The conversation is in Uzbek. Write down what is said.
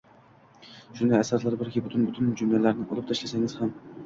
Shunday asarlar borki, butun-butun jumlalarni olib tashlasangiz ham